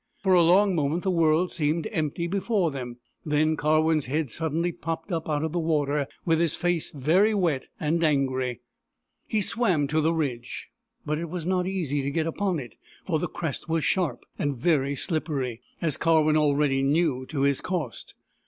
For a long moment the world seemed empty before them. Then Karwin 's head suddenly popped up out of the water, with his face very wet and angry. 84 BOORAN, THE PELICAN He swam to the ridge, but it was not easy to get upon it, for the crest was sharp, and very sUp pery, as Karwin already knew to his cost.